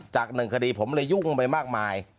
จากหนึ่งคดีผมเลยยุ่งไปมากมาย